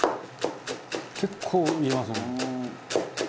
「結構入れますね」